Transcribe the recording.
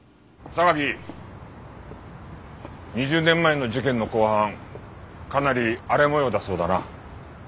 ２０年前の事件の公判かなり荒れ模様だそうだな。